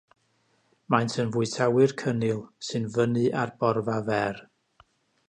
Maent yn fwytawyr cynnil, sy'n fynnu ar borfa fer.